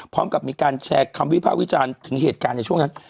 พร้อมกับมีการแชร์คำวิภาควิจารณ์ถึงเหตุการณ์ในช่วงนั้น